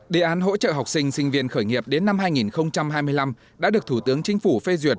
đề án hỗ trợ học sinh sinh viên khởi nghiệp đến năm hai nghìn hai mươi năm đã được thủ tướng chính phủ phê duyệt